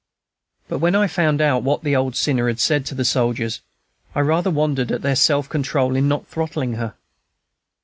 "But when I found what the old sinner had said to the soldiers I rather wondered at their self control in not throttling her."